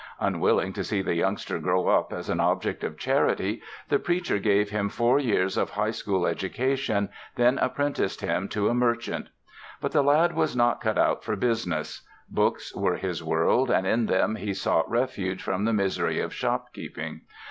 Unwilling to see the youngster grow up as an object of charity the preacher gave him four years of high school education, then apprenticed him to a merchant. But the lad was not cut out for business; books were his world and in them he sought refuge from the misery of shopkeeping.